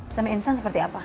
semi instant seperti apa